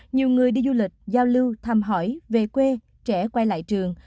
nhiều người đi du lịch giao lưu thăm hỏi về quê trẻ quay lại trường